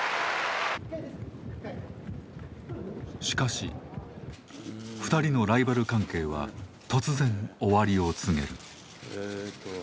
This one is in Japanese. しかし２人のライバル関係は突然終わりを告げる。